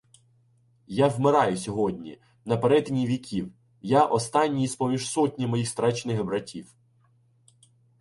Я вмираю сьогодні...На перетині віків. Я останній з-поміж сотні, Моїх страчених братів.